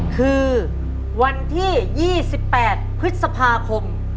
คือวันที่๒๘พฤษภาคม